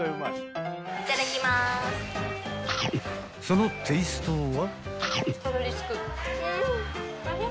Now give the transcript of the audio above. ［そのテイストは］